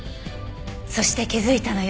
そして気づいたのよ。